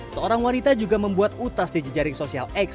seorang wanita juga membuat utas di jejaring sosial x